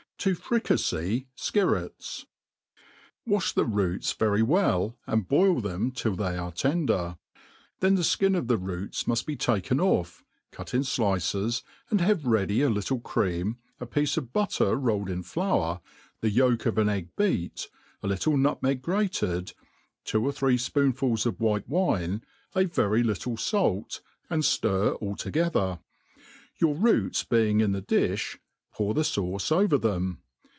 To frkafey Slirreii. WASrt the roots very well, and boil them till they are ten der ; then the (kin of the roots muft be taken off, cut in (lices, and have ready a little cream, a piece of butter rolled in flour^ the yolk of an egg beat, a little nutmeg grated, two or thjee, fpoonfuls of white wine, a very little fait, and ftir all toge ther. Your roots being in the difh, pour the fauce ovef them.